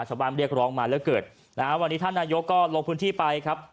เรียกร้องมาแล้วเกิดนะฮะวันนี้ท่านนายกก็ลงพื้นที่ไปครับ